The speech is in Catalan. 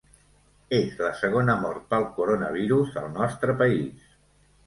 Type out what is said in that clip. És la segona mort pel coronavirus al nostre país.